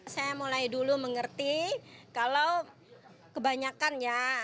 saya mulai dulu mengerti kalau kebanyakan ya